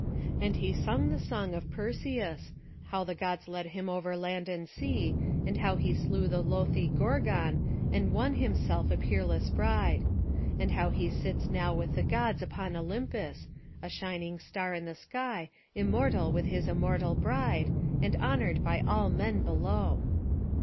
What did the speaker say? And he sung the song of Perseus, how the Gods led him over land and sea, and how he slew the loathly Gorgon, and won himself a peerless bride; and how he sits now with the Gods upon Olympus, a shining star in the sky, immortal with his immortal bride, and honoured by all men below.